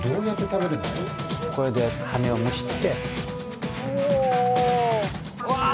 これで羽をむしってうおわあ！